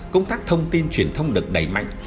công tác thông tin truyền thông được đầy mạnh